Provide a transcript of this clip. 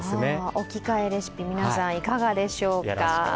置き換えレシピ、皆さん、いかがでしょうか。